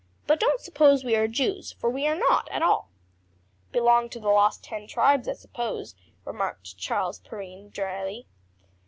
"But don't suppose we are Jews, for we are not at all." "Belong to the lost ten tribes, I suppose," remarked Charles Perrine dryly.